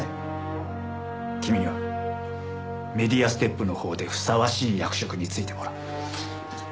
君にはメディアステップのほうでふさわしい役職に就いてもらう。